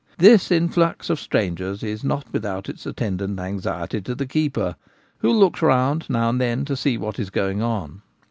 This influx of strangers is not without its attendant anxiety to the keeper, who looks round now and then to see what is going on.